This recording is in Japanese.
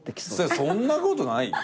そんなことないよ。